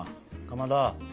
かまど！